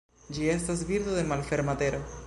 Ĝi estas birdo de malferma tero.